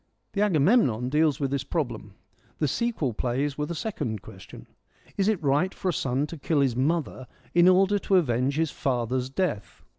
The Agamemnon deals with this problem ; the sequel plays with a second question, ' Is it right for a son to kill his mother in order to avenge his father's death